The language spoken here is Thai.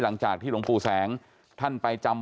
หลังจากที่หลวงปู่แสงท่านไปจำ